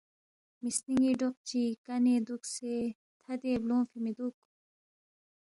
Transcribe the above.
مسنینگی ڈوق چی کانے دوکسے تھدے بلونگفے میدوک